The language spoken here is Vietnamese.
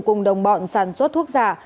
cùng đồng bọn sản xuất thuốc giả